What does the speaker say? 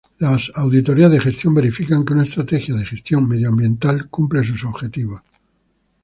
Las auditorías de gestión verifican que una Estrategia de Gestión Medioambiental cumple sus objetivos.